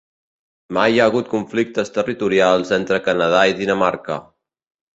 Mai hi ha hagut conflictes territorials entre Canada i Dinamarca